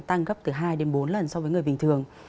tăng gấp từ hai đến bốn lần so với người bình thường